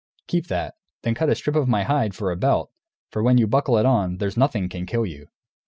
Keep that; then cut a strip of my hide, for a belt, for when you buckle it on, there's nothing can kill you."